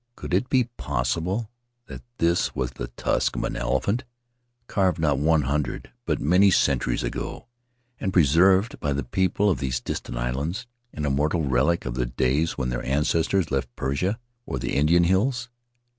Could it be possible Faery Lands of the South Seas that this was the tusk of an elephant, carved not one hundred but many centuries ago, and preserved by the people of these distant islands — an immemorial relic of the days when their ancestors left Persia or the Indian hills?